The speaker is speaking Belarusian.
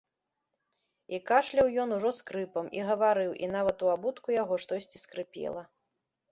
І кашляў ён ужо скрыпам, і гаварыў, і нават у абутку яго штосьці скрыпела.